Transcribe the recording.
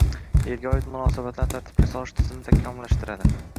yerga oid munosabatlarni tartibga solish tizimini takomillashtiradi.